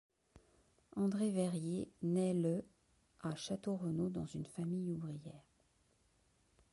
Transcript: André Verrier nait le à Château-Renault dans une famille ouvrière.